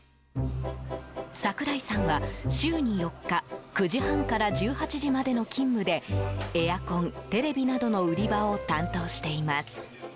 櫻井さんは週に４日９時半から１８時までの勤務でエアコン、テレビなどの売り場を担当しています。